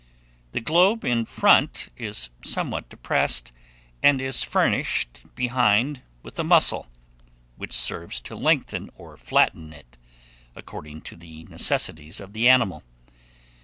The globe in front is somewhat depressed, and is furnished behind with a muscle, which serves to lengthen or flatten it, according to the necessities of the animal.